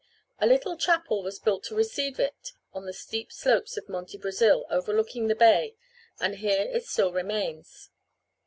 A little chapel was built to receive it on the steep slopes of Monte Brasil overlooking the bay and here it still remains.